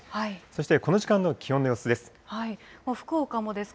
そしてこの時間の気温の様子です。